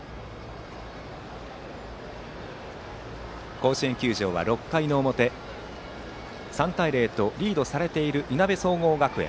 甲子園球場は６回表３対０とリードされているいなべ総合学園。